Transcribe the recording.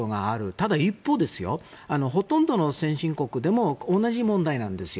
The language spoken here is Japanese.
ただ、一方でほとんどの先進国でも同じ問題なんですよ。